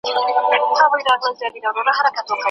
که ښه سند ترلاسه کړي نو دنده به ورته پیدا سي.